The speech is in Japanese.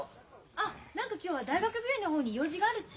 あ何か今日は大学病院の方に用事があるって。